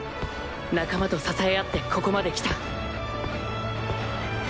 仲間と支え合ってここまで来た